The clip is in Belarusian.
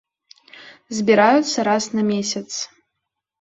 Збіраюцца раз на месяц.